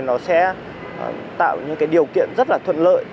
nó sẽ tạo những điều kiện rất là thuận lợi